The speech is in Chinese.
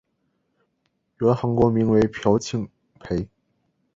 原韩国名为朴庆培。